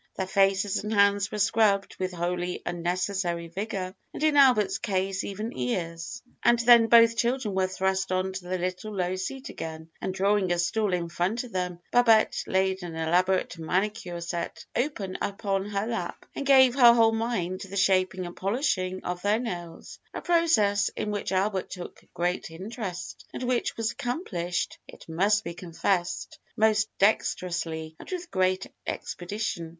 Their faces and hands were scrubbed with wholly unnecessary vigor, and in Albert's case even ears, and then both children were thrust on to the little low seat again, and drawing a stool in front of them, Babette laid an elaborate manicure set open upon her lap, and gave her whole mind to the shaping and polishing of their nails a process in which Albert took great interest, and which was accomplished, it must be confessed, most dexterously and with great expedition.